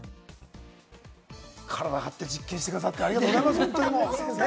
体張って実験してくださってありがとうございます。